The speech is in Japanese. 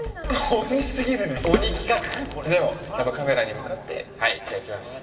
鬼すぎるねでもカメラに向かってはいじゃあいきます